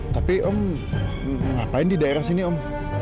tapi om ngapain di daerah sini om